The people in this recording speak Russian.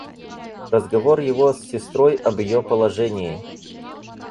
Разговор его с сестрой об ее положении.